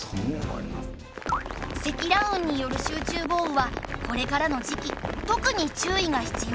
積乱雲による集中豪雨はこれからの時期特に注意が必要。